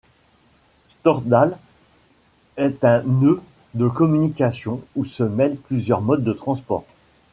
Stjørdal est un nœud de communication où se mêlent plusieurs modes de transport.